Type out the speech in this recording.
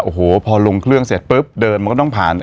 โอ้โหพอลงเครื่องเสร็จปุ๊บเดินมันก็ต้องผ่าน